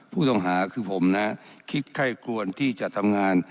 ผู้ต้องหาคือผมนะคิดไข้ควรที่จะทำงาน